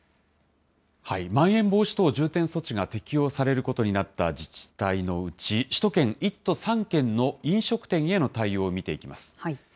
まん延防止等重点措置が適用されることになった自治体のうち、首都圏１都３県の飲食店への対応を見ていきます。